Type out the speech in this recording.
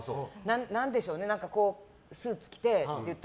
何でしょうね、スーツ着てって。